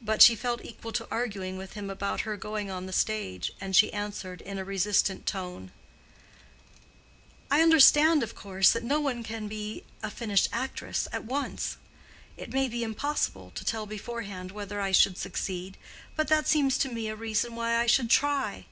But she felt equal to arguing with him about her going on the stage, and she answered in a resistant tone, "I understood, of course, that no one can be a finished actress at once. It may be impossible to tell beforehand whether I should succeed; but that seems to me a reason why I should try.